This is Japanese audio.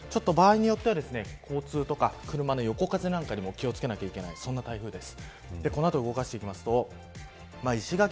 なので、場合によっては交通とか車は、横風なんかにも気を付けなきゃいけないそんな台風です。